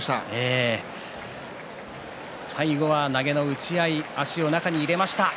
最後は投げの打ち合い足を中に入れました。